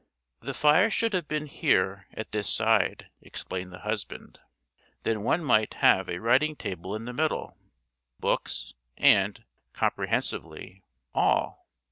'The fire should have been here, at this side,' explained the husband. 'Then one might have a writing table in the middle—books—and' (comprehensively) 'all.